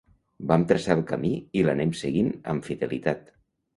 Vam traçar el camí i l’anem seguint amb fidelitat.